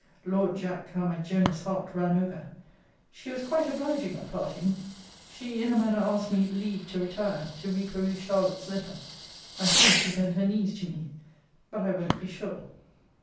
Lord, Jack, how my generous heart ran over! She was quite obliging at parting. She in a manner asked me leave to retire; to reperuse Charlotte's letter. I think she bent her knees to me; but I won't be sure.